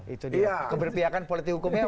itu namanya politik hukum bang